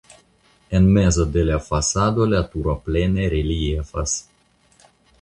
En mezo de la fasado la turo plene reliefas.